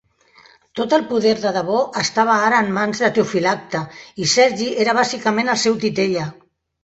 Tot el poder de debò estava ara en mans de Teofilacte, i Sergi era bàsicament el seu titella.